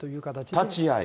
立ち会い？